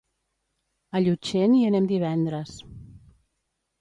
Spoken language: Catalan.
A Llutxent hi anem divendres.